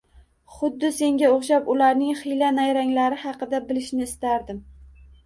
Xuddi senga o`xshab ularning xiyla-nayranglari haqida bilishni istardim